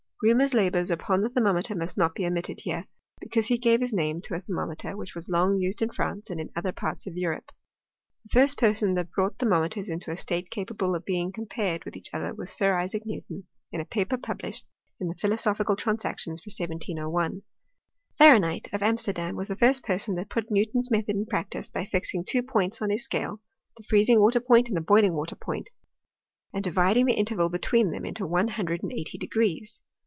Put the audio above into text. ilc'aiirnur*8 labours upon the thermometer must not be omitted hr^e ; because he gave his name to a ther« moincter, which was long used in France and in other parts of Kurope. The first person that brought Uier * morneters into a state capable of being compared with each oUier was Sir Isaac Newton, in a paper published in the Philosophical Transactions for 1701. Fahren h(;it, of Amsterdam, was the first person that put Newton's method in practice, by fixing two points on kin Hcale, the freezing water point and the boiling* water point, and dividing the interval between them into one hundred and eighty degrees.